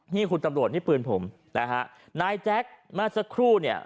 นี่คุณตำรวจนี่ปืนผมนะฮะนายแจ๊คเมื่อสักครู่เนี่ย